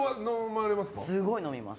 すごい飲みます。